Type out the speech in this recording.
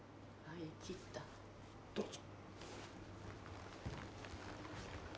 どうぞ。